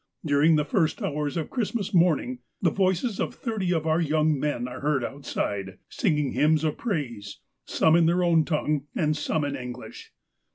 During the first hours of Christmas morn ing the voices of thirty of our young men are heard outside, singing hymns of praise, some in their own tongue, and some in English.